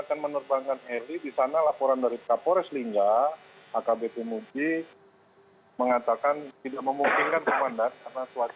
dan eli di sana laporan dari kapolres lingga akb tumubi mengatakan tidak memungkinkan kemandat karena cuacanya mendung hujan di sana